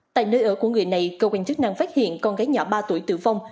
tại nơi ở của người này cơ quan chức năng phát hiện con gái nhỏ ba tuổi tử vong